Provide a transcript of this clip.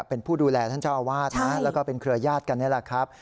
เป็นผู้ดูแลท่านเจ้าอาวาสนะแล้วก็เป็นเครือญาติกันนี่แหละครับ